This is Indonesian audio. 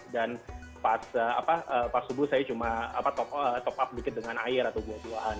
dan pas subuh saya cuma top up sedikit dengan air atau buah buahan